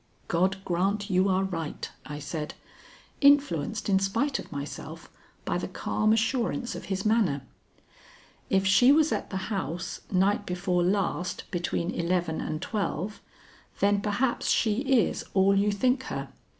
"God grant you are right," I said, influenced in spite of myself by the calm assurance of his manner. "If she was at the house night before last between eleven and twelve, then perhaps she is all you think her.